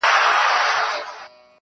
چي په پسي به زړه اچوې,